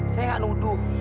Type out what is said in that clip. saya nggak nuduh